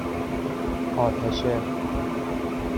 آتشه